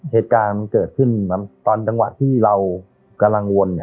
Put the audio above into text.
เหตุการณ์มันเกิดขึ้นตอนจังหวะที่เรากำลังวน